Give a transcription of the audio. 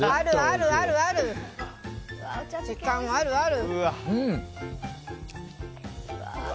時間ある、ある！